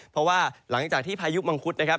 เพราะว่าหลังจากที่พายุมังคุดนะครับ